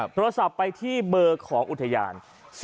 โทรศัพท์ไปที่เบอร์ของอุทยาน๐๘๔๗๙๒๓๕๐๕